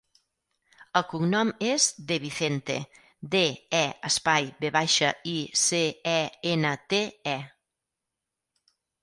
El cognom és De Vicente: de, e, espai, ve baixa, i, ce, e, ena, te, e.